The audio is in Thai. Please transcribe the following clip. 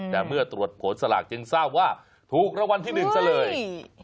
แต่เมื่อตรวจผลสลากจึงทราบว่าถูกรางวัลที่๑ซะเลย